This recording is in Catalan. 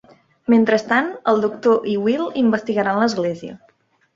Mentrestant, el Doctor i Will investigaran l'església.